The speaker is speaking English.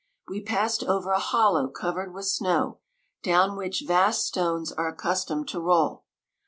We passed over a hol low covered with snow, down which vast stones are accustomed to roll.